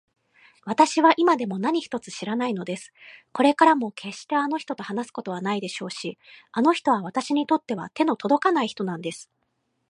わたしは今でも何一つ知らないのです。これからもけっしてあの人と話すことはないでしょうし、あの人はわたしにとっては手のとどかない人なんです。